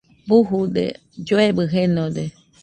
Bujude, lloebɨ jenode